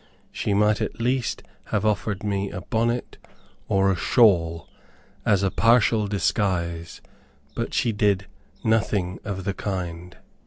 She might at least have offered me a bonnet or a shawl, as a partial disguise; but she did nothing of the kind.